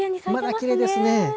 まだきれいですね。